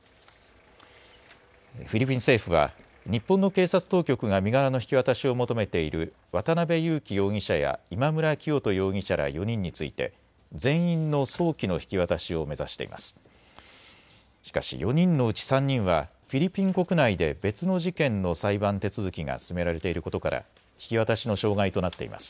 フィリピン政府は日本の警察当局が身柄の引き渡しを求めている渡邉優樹容疑者や今村磨人容疑者ら４人について全員の早期の引き渡しを目指しています。